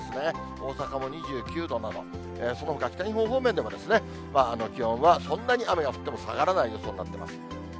大阪も２９度など、そのほか、北日本方面では、気温はそんなに雨が降っても下がらない予想になっています。